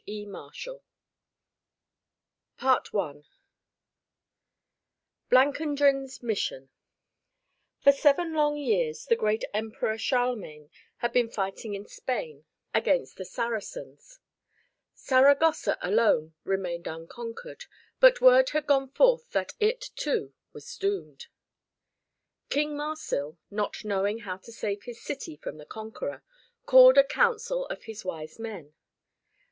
E. MARSHALL I BLANCANDRIN'S MISSION For seven long years the great Emperor Charlemagne had been fighting in Spain against the Saracens; Saragossa alone remained unconquered, but word had gone forth that it, too, was doomed. King Marsil, not knowing how to save his city from the conqueror, called a council of his wise men.